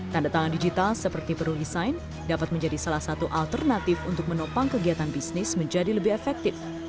tanda tangan digital seperti perlu desain dapat menjadi salah satu alternatif untuk menopang kegiatan bisnis menjadi lebih efektif